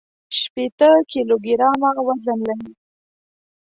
شپېته کيلوګرامه وزن لري.